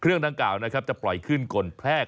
ดังกล่าวนะครับจะปล่อยขึ้นกลแพรก